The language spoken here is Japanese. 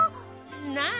なあ。